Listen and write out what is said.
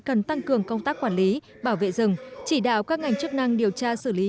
cần tăng cường công tác quản lý bảo vệ rừng chỉ đạo các ngành chức năng điều tra xử lý